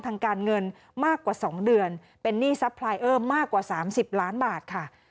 ทางการเงินมากกว่า๒เดือนเป็นหนี้ซัพพลายเออร์มากกว่า๓๐ล้านบาทค่ะ